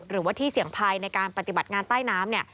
หรือว่าที่เสี่ยงภัยในการปฏิบัติงานใต้น้ำเนี่ย